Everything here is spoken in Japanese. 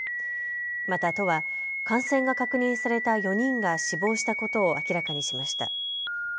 また都は感染が確認された４人が死亡したことを明らかにしました。